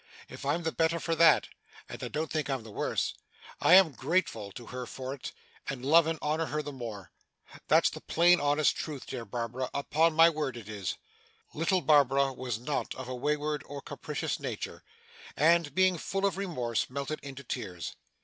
If I'm the better for that and I don't think I'm the worse I am grateful to her for it, and love and honour her the more. That's the plain honest truth, dear Barbara, upon my word it is!' Little Barbara was not of a wayward or capricious nature, and, being full of remorse, melted into tears.